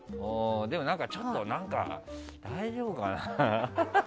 でも、ちょっと何か大丈夫かな。